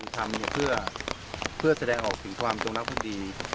ทำเพื่อแสดงออกถึงความจงรักภักดี